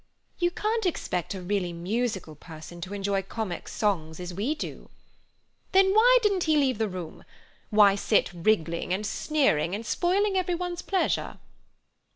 "You can't expect a really musical person to enjoy comic songs as we do." "Then why didn't he leave the room? Why sit wriggling and sneering and spoiling everyone's pleasure?"